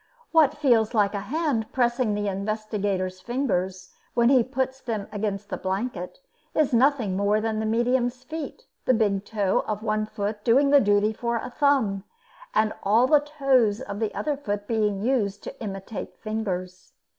What feels like a hand pressing the investigator's fingers when he puts them against the blanket, is nothing more than the medium's feet, the big toe of one foot doing duty for a thumb, and all the toes of the other foot being used to imitate fingers.